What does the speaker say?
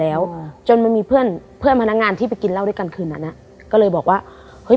แล้วจนมันมีเพื่อนเพื่อนพนักงานที่ไปกินเหล้าด้วยกันคืนนั้นอ่ะก็เลยบอกว่าเฮ้ย